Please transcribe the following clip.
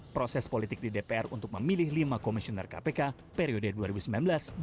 proses politik di dpr untuk memilih lima komisioner kpk periode dua ribu sembilan belas dua ribu dua puluh empat